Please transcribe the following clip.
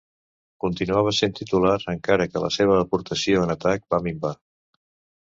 Continuava sent titular, encara que la seva aportació en atac va minvar.